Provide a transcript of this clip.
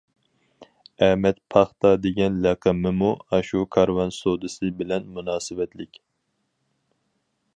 ئەمەت پاختا دېگەن لەقىمىمۇ ئاشۇ كارۋان سودىسى بىلەن مۇناسىۋەتلىك.